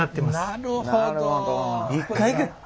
なるほど。